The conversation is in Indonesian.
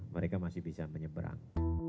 mereka masih bisa menyeberang